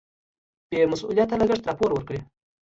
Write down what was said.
بې مسؤلیته لګښت راپور ورکړي.